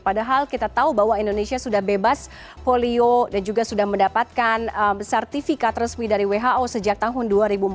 padahal kita tahu bahwa indonesia sudah bebas polio dan juga sudah mendapatkan sertifikat resmi dari who sejak tahun dua ribu empat belas